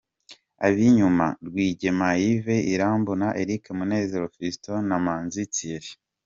Ab’inyuma:Rwigema Yves, Irambona Eric, Munezero Filston na Manzi Thierry.